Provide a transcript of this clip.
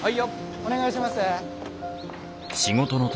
お願いします。